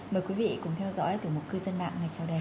mời quý vị cùng theo dõi từ một cư dân mạng ngay sau đây